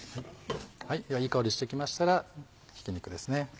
いい香りしてきましたらひき肉です。